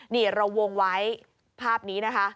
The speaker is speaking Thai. นี่เราวงไว้ภาพนี้นะคะ